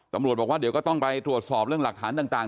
ตำรวจบอกว่าเดี๋ยวก็ต้องไปตรวจสอบเรื่องหลักฐานต่าง